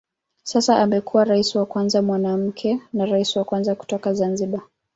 Sasa amekuwa rais wa kwanza mwanamke na rais wa kwanza kutoka Zanzibar.